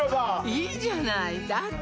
いいじゃないだって